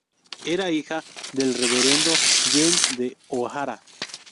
Era la hija del reverendo James D. O'Hara.